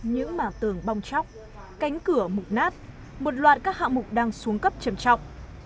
những mảng tường bong chóc cánh cửa mụn nát một loạt các hạng mụn đang xuống cấp chẩm chọc